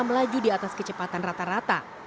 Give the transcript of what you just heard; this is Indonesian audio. melaju di atas kecepatan rata rata